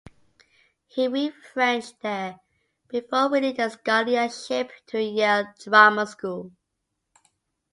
He read French there, before winning a scholarship to Yale Drama School.